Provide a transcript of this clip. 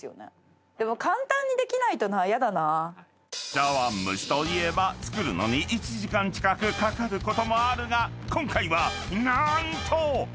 ［茶碗蒸しといえば作るのに１時間近くかかることもあるが今回は何と］